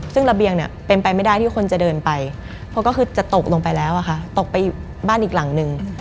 ซึ่งระเบียงเนี่ยเป็นไปไม่ได้ที่คนจะเดินไปเพราะก็คือจะตกลงไปแล้วอะค่ะตกไปบ้านอีกหลังนึง